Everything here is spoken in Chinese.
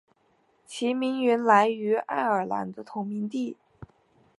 其名称来源于爱尔兰的同名地。